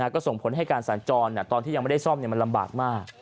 ก็ส่งผลให้การสัญจรตอนที่ยังไม่ได้ซ่อมมันลำบากมาก